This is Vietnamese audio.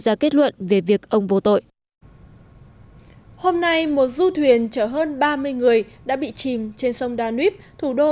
ra kết luận về việc ông vô tội hôm nay một du thuyền chở hơn ba mươi người đã bị chìm trên sông danube